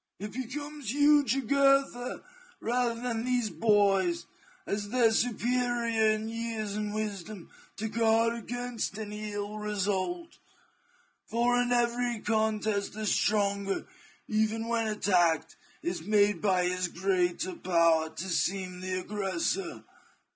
It becomes you, Jugurtha, rather than these boys, as their superior in years and wisdom, to guard against any ill result ; for in every contest the stronger, even when attacked, is made by his greater power to seem the aggressor.